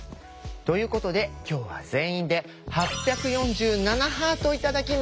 ということで今日は全員で８４７ハート頂きました。